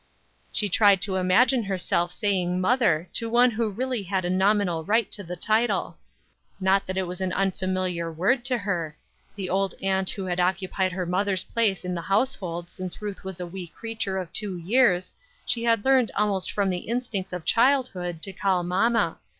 She tried to imagine herself saying "mother" to one who really had a nominal right to the title. Not that it was an unfamiliar word to her. The old aunt who had occupied the mother's place in the household since Ruth was a wee creature of two years, she had learned almost from the instincts of childhood to call "mamma."